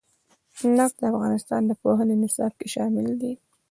نفت د افغانستان د پوهنې نصاب کې شامل دي.